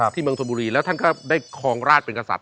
เมืองชนบุรีแล้วท่านก็ได้ครองราชเป็นกษัตริย